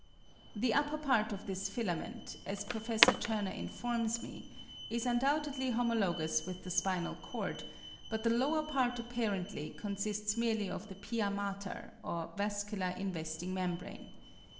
The upper part of this filament, as Prof. Turner informs me, is undoubtedly homologous with the spinal cord; but the lower part apparently consists merely of the pia mater, or vascular investing membrane.